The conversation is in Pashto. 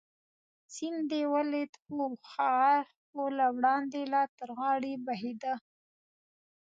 سیند دې ولید؟ هو، هغه خو له وړاندې لا تر غاړې بهېده.